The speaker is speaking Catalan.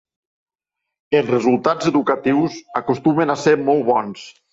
Els resultats educatius acostumen a ser molt bons.